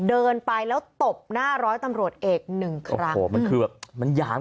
เดินไปแล้วตบหน้าร้อยตำรวจเอก๑ครั้ง